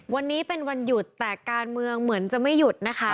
วันนี้เป็นวันหยุดแต่การเมืองเหมือนจะไม่หยุดนะคะ